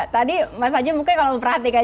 tadi mas aji mungkin kalau memperhatikan